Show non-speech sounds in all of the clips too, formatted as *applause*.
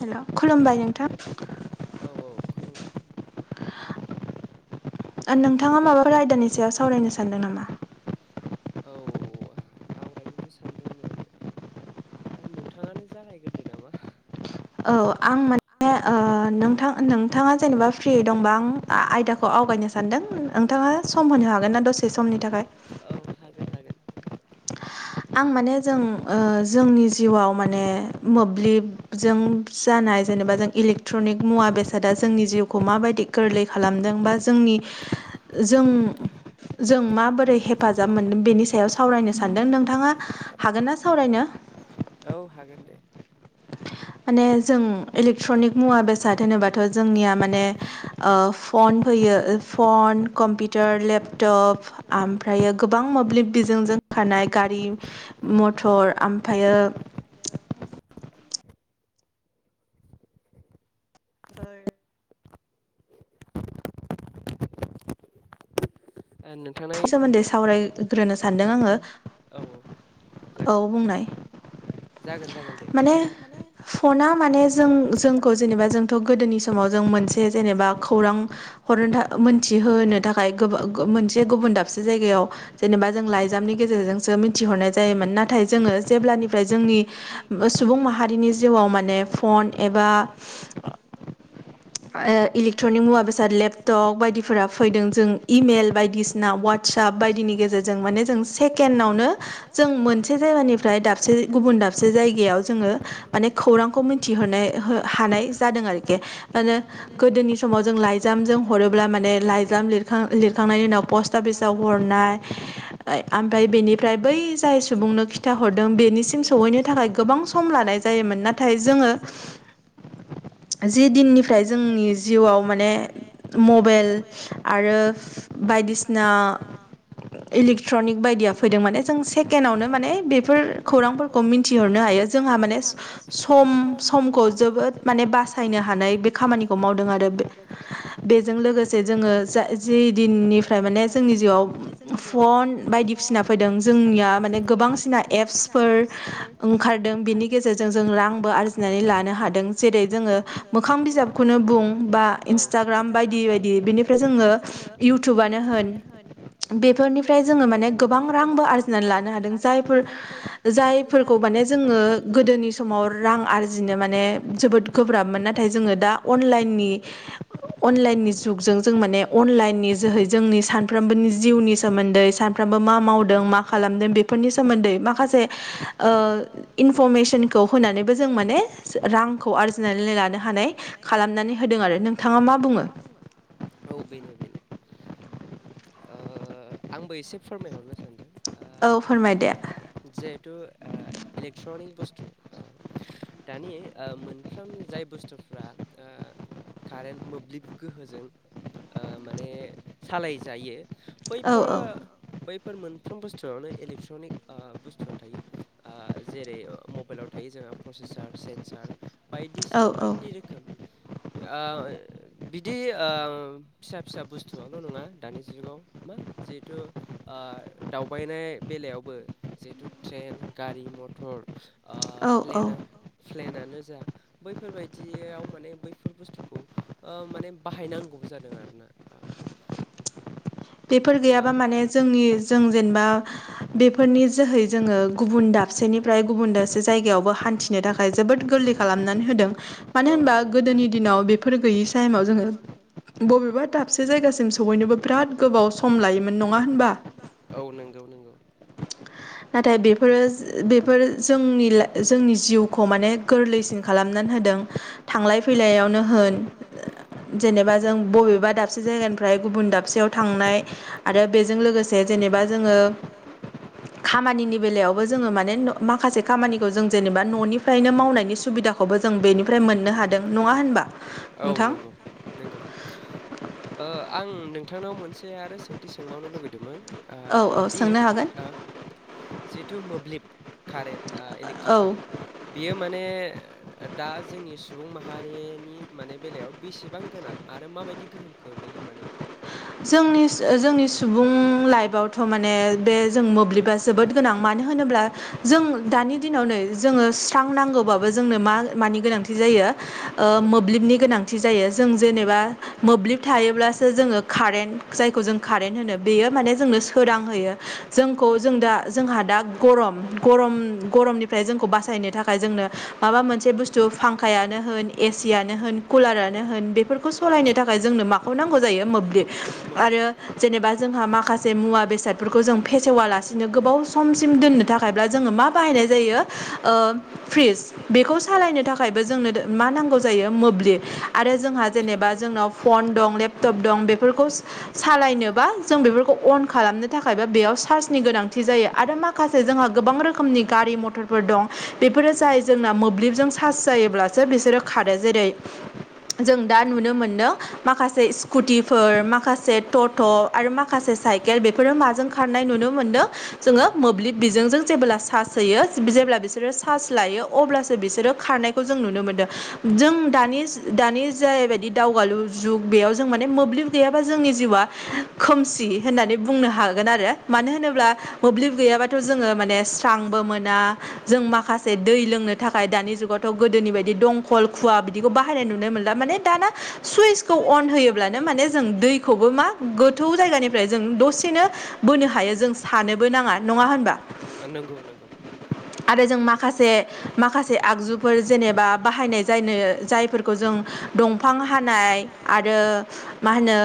हेल' खुलुमबाय नोंथां *inaudible* *inaudible* आर नोंथाङा माबाफोर आयदानि सायाव सावरायनो सानदों नामा? औ आवरायनोथ' सानदोंमोन आरो नोंथाङानो जागायग्रोदो नामा? औ आं मोन ओ नोथां नोंथाङा जेनेबा फ्रि दंबा आं आयदाखौ आवगायनो सानदों। नोंथाङा सम होनो हागोन ना दसे समनि थाखाय? *inaudible* आं माने जों ओ जोंनि जिउआव माने मोब्लिबजों जानाय जा जेनेबा जों इलेकट्रनिक मुवा बेसादा जोंनि जिउखौ माबायदि गोरलै खालामदों बा जोंनि जों जों माबोरै हेफाजाब मोनदों बेनि सायाव सावरायनो सानदों नों नोंथाङा हागोन ना सावरायनो? *inaudible* माने जों इलेक्ट्रनिक मुवा बेसाद होनोबाथ' जोंनिया माने ओ फन फैयो फन कम्पिउटार लेपटप ओमफ्रायो गोबां मोब्लिब बिजोंजों खानाय गा मथर मफायो *inaudible* *unintelligible* नोंथां *unintelligible* औ औ जागोन जागोन जागोन दे माने फना मानेखौ जेबा जों जों मोनसे जेनेबा खौरां हर मोनथिहो थाखाय गुबुन दाबसे जायगायाव जेनेबा जों लाइजामनि गेजेरजोंसो मिथिहरनाय जायोमोन नाथाय जोङो जेब्ला फ्राय जोंनि सुबुं माहारिनि जिउआव माने फन एबा *inaudible* इलेक्ट्रनिक मुवा बेसाद लेपटप बायदिफोरा फैदों जों इमेल बायदिसिना व्हाटसाप बायनि गेजेरजों माने जों सेकेण्ङोनो जों मोनसे जायानिफ्राय दसे गुबुन दाबसे जायगायाव जोङो माने खौरांखौ मिथिहरनाय हानाय जादों आरोखे *inaudible* गोदोनि समाव जों लाइजामजों हरोब्ला माने लाइजाम लिरखां लिरखांनायनि उनाव पस टा अफिसाव हरनाय मफ्राय बेनिफ्राय बै जाय सुबुंनो खिथा हरदों बेनि बेनिसिम सहैनो थाखाय गोबां सम लानाय जायोमोन नाथाय जोङो जि दिननिफ्राय जों नि जिउआव माने मबाइेल आरो बायदिसिना बायदिसिना इलेक्ट्रनिक बायदिया फैदों माने जों सेकेणडआवनो माने बेफोर खौरांफोरखौ मिन्थिहरनो हायो ज जोंहा माने सम समखौ जोबोद माने बासायनो हानाय बे खामानि मावदों आरो बेजों लोगोसे जोङो जि दिननि ओमफ्राय माने जोंनि जिउआव फन बायदिसिना फैदों जोंनिया माने गोबांसिना एप्स फोर ओंखारदों बिनि गेजेरजों जों रांबो आरजिनानै लानो हादों जेरै जोङो मोखां बिजाबखौनो खनो बुं बा इन्सटाग्राम बायदि बायदि बेनिफ्राय जोङो इउटुबानो होन बेफोरनिफ्राय जोङो माने गोबां रांबो आरजिनानै लानो हादों। जायफोर जायफोरखौ माने जोङो गोदोनि समाव रां आरजिनो माने जोबोद गोब्राबमोन ना जोङो दा जोंनि आनलाइन नि जुगजों जों माने आनलाइननि जोहै जोंनि सानफ्रोमबोनि जिउनि सोमोन्दै सानफ्रोमबो मा मावदों मा खालामदों बेफोरनि सोमोन्दै माखासे ओ इनफरमेसनखौ होनानैबो जों माने रांखौ आरजिना लानो हानाय खालामनानै खालामनानै होदों आरो नोंथाङा मा बुङो? औ बेनो बेनो। ओ आंबो एसे फोरमायहरनो सानदों। आ औ फोरमायदे जिहेथु इलेक्ट्रनिक बुस्थु दानि ओ मोनफ्रोम जाय बुस्थुफ्रा आ कारेन्ट मोब्लिब गोहोजों ओ माने सालाय जायो। बैफोरो बै फोर मोनफ्रोम बुस्थुआवनो इलेक्ट्रनिक आ बुस्थुआ थायो। आ जेरै मबाइलाव थायो जों ओ प्रसेसार सेन्सार बायदिसिना बायदि रोखोम। आ बिदि आ फिसा फिसा बुस्थुवल' नङा दानि जुगाव मा। जिहेथु आ दावबायनाय बेलायावबो जिहेथु ट्रेन, गारि, मथर थर ओ प्लेनानो जा बैफोर बायदियाव माने बैफोर बुस्थुखौ ओ माने बाहायनांगौ जादों आरोना। *inaudible* बेफोर गैयाबा माने जोंनि जों जेनेबा बेफोरनि जोहै जोङो गुबुन दाबसेनिफ्राय गुबुन दाबसे जायगायावबो हान्थिनो थाखाय जोबोद गोरलै खालामनानै होदों। मानो होनबा गोदोनि दिनाव बेफोर गैयि थाइमाव जोङो बबेबा दाबसे जायगासिम सहैनोबो बिराद बिराथ गोबाव सम लायोमोन नङा होनबा? औ नंगौ नंगौ। नाथाय बेफोरो बेफोरो जोंनि जोंनि जिउखौ माने गोरलैसिन खालाम लामनानै होदों थांलाय फैलायावनो होन। जेनेबा जों बबेबा दाबसे जायगानिफ्राय गुबुन दाबसेयाव दाबसेयाव थांनाय आरो बेजों लोगोसे जेनेबा जोंङो। खामानिनि बेलायावबो जोंङो नो माने माखासे खामानिखौ जों जेनेबा न'निफ्रायनो मावनायनि सुबिदाखौ बो जों बेनिफ्राय मोन फ्राय मोननो हादों नंङा होनबा? औ नंगौ नगौ। ओ आं नोंथांनाव मोनसे आरो सोंथि सोंबावनो लुगैदोंमोन। आ दि आ जिथु मोब्लिब कारेन्ट आ इलेक्ट्रिक कारेन्ट बियो माने दा जोंनि सु माहारिनि माने बेलायाव बेसेबां गोनां आरो माबायदि गोहोम खोख्लैदों माने बि? जोंनि जोंनि सुबुं लाइफआवथ' माने बे जों मोब्लिबा जोबोद गोनां मानो होन होनोब्ला जों दानि दिनावनो जोंङो स्रां नांगौबाबो जोंनो मा मानि गोनांथि जायो? ओ मोब्लिबनि गोनांथि जायो जों जेनेबा मोब्लिब थायोब्ला सो जोंङो कारेन्ट जायखौ जों कारेन्ट होनो। बेयो माने जोंनो सोरां होयो जोंखौ जों दा जोंहा दा गरम गरम गरमनिफ्राय जोंखौ बासायनो थाखाय जोंनो माबा मोनसे बुस्थु खौ फांखायानो होन एसियानो होन कुलारनो होन बेफोरखौ सालायनो थाखाय जोंनो माखौ नांगौ जायै? मोब्लिब आरो जेबा जों माखासे मुवा बेसादफोरखौ फेसेवालासिनो गोब बाव समसिम दोननो थाखाय़्ब्ला जोङो मा बाहायनाय जायो? ओ फ्रिज बेखौ सालायनो थाखायबो जोंनो मा नांगौ जायो मोब्लिब आरो जोंहा जेनेबा जोंनाव फ'न दं लेप टप दं बेफोरखौ सालायनोबा जों बेफोरखौ अन खालामनो थाखायबा बेयाव चार्चनि गोनांथि जायो। आरो माखासे जोंहा गोबां रोखोमनि गारि मथरफोर दं बेफोरो जाय जोंना मोब्लिबजों सारस जा योबलासो बिसोरो खारो। जेरै जों दा नुनो मोनदों माखासे कुटिफोर माखासे टट' आरो माखासे साइकेल बेफोरो माजों खारनाय नुनो मोनदों? जोंङो मोब्लिब बिजोंजों जेब्ला सास होयो। जेब्ला बिसोरो सास लायो अब्लासो बिसोरो खारनायखौ जों नुनो मोनदोऔ। जाय दानि जाय दावगालु जुग बेयाव जों माने मोब्लिब गैयाबा जोंनि जिउआ खोमसि होननानै बुंनो हागोन आरो। मानो होनोब्ला मोब्लिब गैयाबाथ' जोंङो माने स्रांबो मोना जों माखासे दै लोंनो थाखाय दानि गोदोनि बायदि दंकल खुवा बिदिखौ बाहायनाय नुनो मोनला मानि दाना सुइसखौ अन होब्लानो माने मा जों दैखौबो गोथौव जायगानिफ्राय दसेनोबोनो हायो जों सानो सानोबो नंङा नंङा होनबा नंगौ नंगौ आरो जों माखासे माखासे आगजु फोर जेनेबा बाहायनाय जानो जायफोरखौ जों दंफां हानाय आरो मा होनो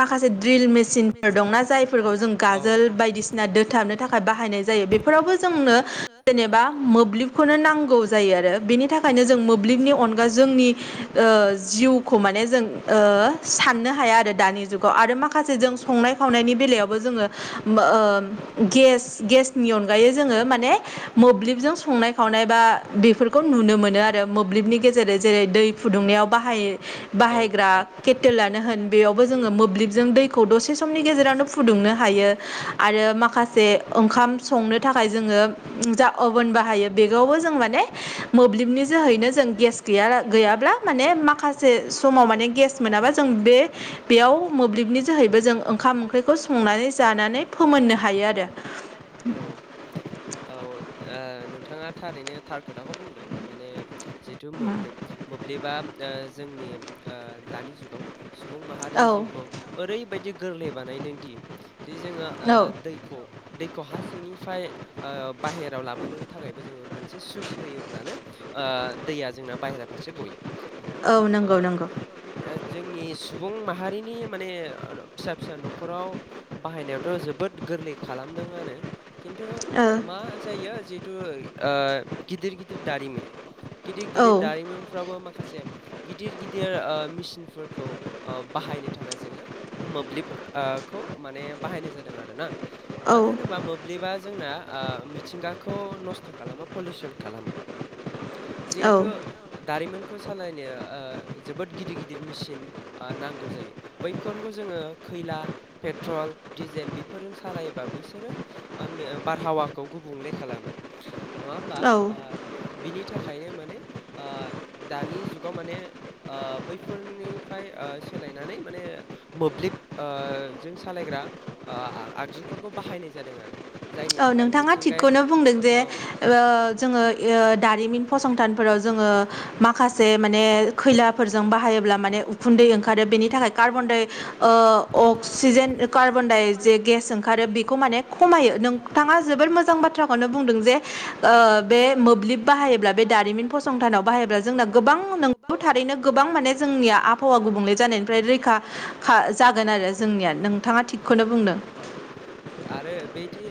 माखासे द्रिल मेसिनफोर दंना जायफोरखौ जों गाजोल बायदिसि ना दोथाबनो थाखाय बाहायनाय जायो बेफोरावबो जोंनो जेनेबा मोब्लिबखौनो नांगौ जायो आरो बेनि थाखायनो जों मोब्लिबनि अनगा जोंनि ओ जिउखौ माने जों ओ साननो हाया आरो दानि जुगाव आरो माखासे जों संनाय खावनायनि बेलायावबो जोंङो ओ गेसनि अनगायै जोंङो माने मोब्लिबजों संनाय खावनाय बा बेफो रखौ नुनो मोनो आरो मोब्लिबनि गेजेरजों जेरै दै फुदुंनायाव बाहायो बाहायग्रा केटेलानो होन बेयावबो जोंङो मोब्लिबजों दैखौ दसे समनि गेजेरावनो फुदुंनो हायो आरो माखासे ओंखाम संनो थाखाय जोंङो जा अभेन बाहायो बेावबो जों माने मोब्लिबनि जोहैनो जों गेस गैया गैयाब्ला माने माखासे समाव माने गेस मोनाबा जों बे बेयाव मोब्लिबनि जोहैबो जों ओंखाम ओंख्रिखौ संनानै जानानै फोमोन हायो औ औ नोंथांङा थारैनो थार खोथाखौ बुंदों माने जिथु मोब्लिब मोब्लिबा ओ जोंनि दानि जुगाव सुबुं माहारिनि जिउखौ ओरैबायदि गोरलै बानायदों दि दि जोंङो दैखौ दैखौ हा सिंनिफ्राय बाहेरायाव लाबोनोबो थाखायबो जोंङो मोनसे एसे सुइस होयोब्लानो दैया जोंना बायाहेरा फारसे गयो नंगौ जोंनि सुबुं माहारि बैनि माने फिसा फिसा न'खराव बाहायनायावथ' जोबोद गोरलै खालामदोंआनो खिन्थु मा जायो जिथु गिदिर गिदिर दारिमिन गिदिर गिदिर दारिमिनफ्राबो माखासे गिदिर गिदिर ओ मेसिनफोरखौ बाहायनो थाखाय जोङो मोब्लिब ओ खौ माने बाहायनाय जादों आरो ना मानो होनोबा मोब्लिबा जोंना ओ मिथिंगाखौ नस्थ' खालामो पलिउसन खालामो जिहेथु दारिमिनखौ सालायनो जोबोद गिदिर गिदिर मेसिन ओ नांगौ जायो बैफोरजों जोंङो खैला पेट्रल डजेल बेफोरजों सालायोायोबा बिसोरो बारहाव हवाखौ गुबुंलेखालामो नङा होमबा बिनि थाखायनो माने ओ दानि जुगाव ओ माने बैफोरनि सोलायनानै ओ मान मोब्लिब जों ओ सालायग्रा जुफोरखौ बाहायनाय जादों आरो जायनि थाखाय मिथिंगाया औ जोङो दारिमिन फसंथानफोराव जोङो माखासे माने खैलाफोरजों बाहायो अब्ला माने उखुन्दै ओंखारो बेनि थाखाय carbon die oxygen carbon die जे गेस ओंखारो बेखौ माने खमायो नों थाङा जोबोद मोजां बाथ्राखौनो बुंदों जे ओ बे मोब्लिब बाहायोब्ला बे दारिमिन फसंथानाव बाहायोब्ला जोंना गोबां नंगौ थारैनो गोबां माने जोंनिया आबहावा गुबुंले जानायनिफ्राय रैखा जागोन आरो जोंनिया नोंथाङा थिगखौनो बुंदों। आरो बेदि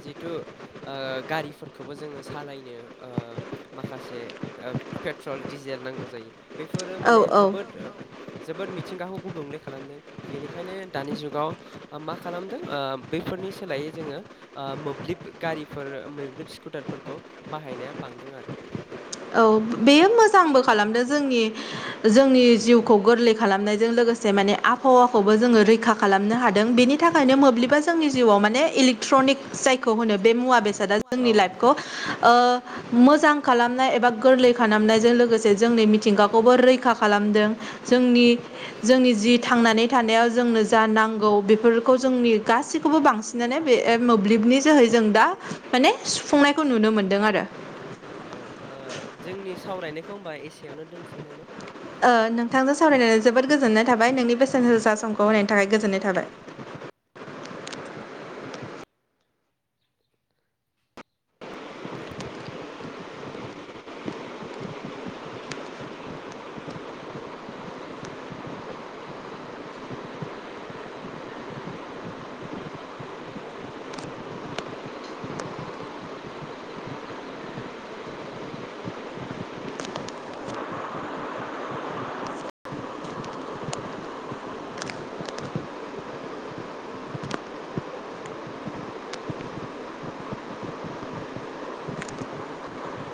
जिथु ओ गारिफोरखौबो जोंनो सालायनो ओ माखासे पेट्रल डिजेल नांगौ जायो। बेफोरो माने जोबोद जोबोद मिथिंगाखौ गुबुंले खालामदों बेनिखायनो दानि जुगाव मा खालामदों बेैफोरनि सोलायै जोङो मोब्लिब गारिफोर मोब्लिब स्कुटारफोरखौ बाहायनाया बांदों आरो औ बेयो मोजांबो खालामदों जोंनि जोंनि जिउखौ गोरलै खालामनायजों लोगोसे माने आबहावाखौबो जोङो रैखा खालामनो हादों बेनि थाखायनो मोब्लिबा जोंनि जिउआव माने इलेक्ट्र निक जायखौ होनो बे मुवा बेसाता जोंनि लाइभखौ मोजां खालामनाय ए गोरलै खालामनायजों लोगोसे जोंनि मिथिंगाखौबो रैखा खालामदों जोंनि जों जि थांनानै थानायाव जोंनो जा नांगौ बेफोरखौ जोंनि गासैखौबो बांसिनानो बे मोब्लिबनि जोहै जों दा माने सुफुंनायखौ नु सुफुंनायखौ नुनो मोनदों आरो औ ओ जोंनि सावरायनायखौ होनबा एसेयावनो दोनसै नामा? ओ नोंथांजों सावरायनानै जोबोद गोजोननाय थाबाय नोंनि बेसेन गोसा समखौ होनायनि थाखाय गोजोननाय। *inaudible* *unintelligible*